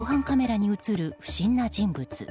防犯カメラに映る不審な人物。